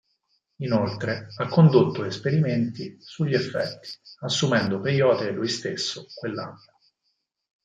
Inoltre, ha condotto esperimenti sugli effetti assumendo Peyote lui stesso quell'anno.